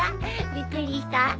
びっくりした？